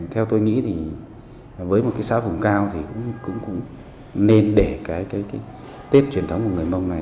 theo tôi nghĩ thì với một cái xã vùng cao thì cũng nên để cái tết truyền thống của người mông này